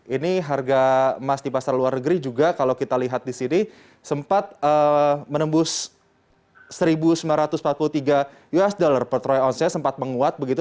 ini harga emas di pasar luar negeri juga kalau kita lihat di sini sempat menembus satu sembilan ratus empat puluh tiga usd per troy ounce nya sempat menguat begitu